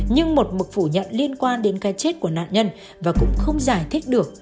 nhưng một mực phủ nhận liên quan đến cái chết của nạn nhân và cũng không giải thích được